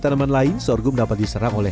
tanaman lain sorghum dapat diserang oleh